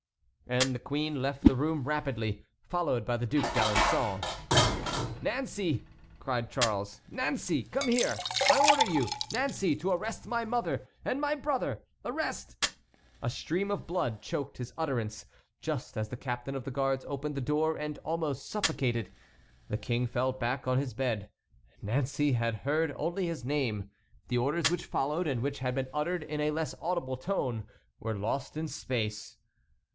And the queen left the room rapidly, followed by the Duc d'Alençon. "Nancey!" cried Charles; "Nancey! come here! I order you, Nancey, to arrest my mother, and my brother, arrest"— A stream of blood choked his utterance, just as the captain of the guards opened the door, and, almost suffocated, the King fell back on his bed. Nancey had heard only his name; the orders which followed, and which had been uttered in a less audible tone, were lost in space.